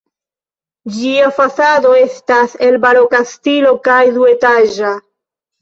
Ĝia fasado estas el baroka stilo kaj duetaĝa.